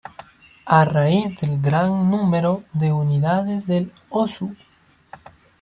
A raíz del gran número de unidades del "Osu!